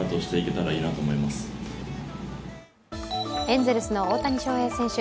エンゼルスの大谷翔平選手。